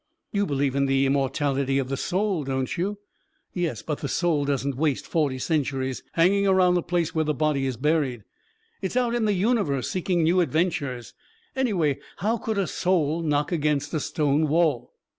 "" You believe in the immortality of the soul, don't you?" " Yes ; but the soul doesn't waste forty centuries hanging around the place where the body is buried. It's out in the universe seeking new adventures I Anyway, how could a soul knock against a stone wall?"